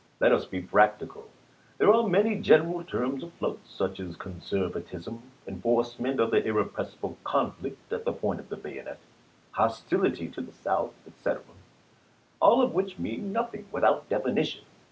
Let us be practical. There are many general terms afloat, such as 'conservatism,' 'enforcement of the irre pressible conflict at the point of the bayonet,' ' hos tility to the South,' etc., all of which mean nothing without definition.